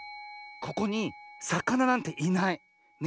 ここにさかななんていない。ね。